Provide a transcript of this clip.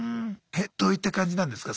えどういった感じなんですか